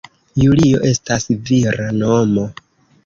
Julio estas vira nomo.